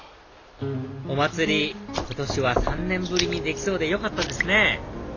お祭り今年は３年ぶりにできそうでよかったですね